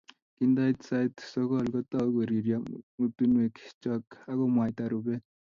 Kindait sait sokol, kotou koriryo motunwek chok akomwaita rubet